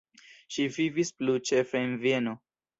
Ŝi vivis plu ĉefe en Vieno.